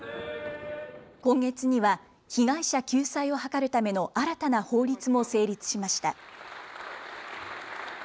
今月には、被害者救済を図るための新たな法律も成立しました。